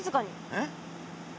えっ？